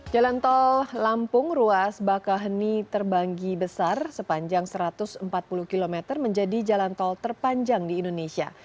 jalan tol lampung ruas bakaheni terbanggi besar sepanjang satu ratus empat puluh km menjadi jalan tol terpanjang di indonesia